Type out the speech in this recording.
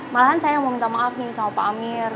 malahan saya mau minta maaf nih sama pak amir